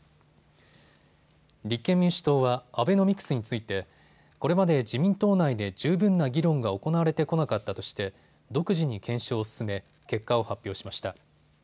立憲民主党はアベノミクスについてこれまで自民党内で十分な議論が行われてこなかったとして独自に検証を進め、結果を発表しました。